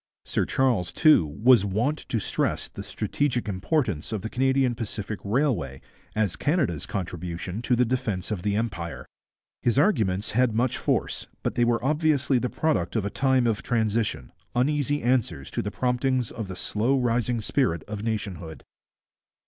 Sir Charles, too, was wont to stress the strategic importance of the Canadian Pacific Railway as Canada's contribution to the defence of the Empire. His arguments had much force, but they were obviously the product of a time of transition, uneasy answers to the promptings of the slow rising spirit of nationhood.